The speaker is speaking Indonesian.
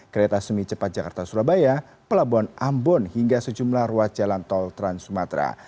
kereta semi cepat jakarta surabaya pelabuhan ambon hingga sejumlah ruas jalan tol trans sumatera